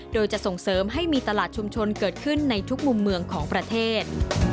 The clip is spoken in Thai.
โดยจะส่งเสริมให้มีตลาดชุมชนเกิดขึ้นในทุกมุมเมืองของประเทศ